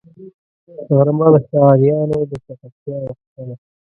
غرمه د ښاريانو د چټکتیا وقفه ده